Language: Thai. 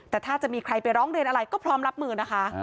แต่ถ้าจะมีใครไปร้องเรียนอะไรก็พร้อมรับมือนะคะ